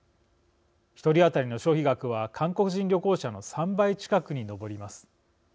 １人当たりの消費額は韓国人旅行者の３倍近くに上ります。